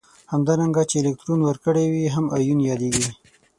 همدارنګه چې الکترون ورکړی وي هم ایون یادیږي.